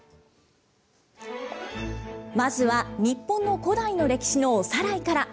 まずは日本の古代の歴史のおさらいから。